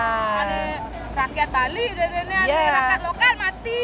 ada rakyat tali ada rakyat lokal mati